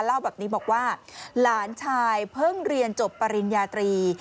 เล่าแบบนี้บอกว่าหลานชายเพิ่งเรียนจบปริญญาตรี